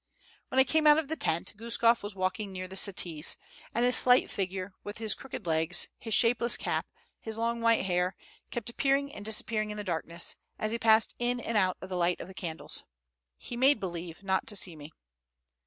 When I came out of the tent, Guskof was walking near the settees; and his slight figure, with his crooked legs, his shapeless cap, his long white hair, kept appearing and disappearing in the darkness, as he passed in and out of the light of the candles. He made believe not to see me.